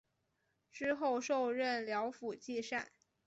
之后授任辽府纪善。